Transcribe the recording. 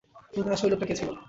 রুমে আসা অই লোকটা কে ছিল?